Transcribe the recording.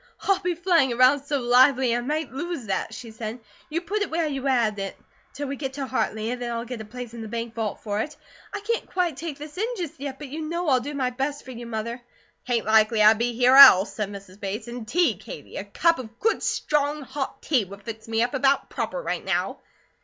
"I'll be flying around so lively I might lose that," she said, "you put it where you had it, till we get to Hartley, and then I'll get a place in the bank vault for it. I can't quite take this in, just yet, but you know I'll do my best for you, Mother!" "Tain't likely I'd be here else," said Mrs. Bates, "and tea, Katie. A cup of good strong hot tea would fix me up about proper, right now."